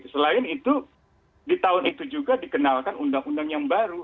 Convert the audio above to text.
selain itu di tahun itu juga dikenalkan undang undang yang baru